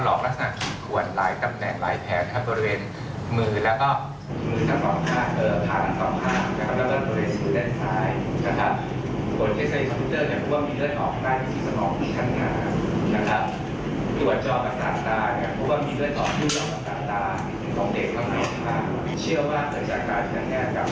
เลิกออกร่วมกับฮีท่านอยู่สมองชั้นนั้น